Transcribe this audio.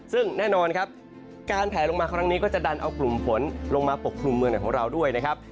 ซึ่งแน่นอนครับการแผลลงมาครั้งนี้ก็จะดันเอากลุ่มฝนลงมาปกคลุมเมืองไหนของเราด้วยนะครับ